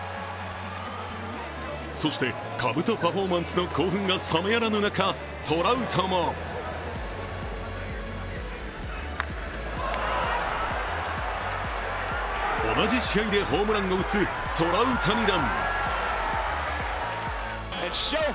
そして、かぶとパフォーマンスの興奮が冷めやらぬ中トラウトも同じ試合でホームランを打つトラウタニ弾。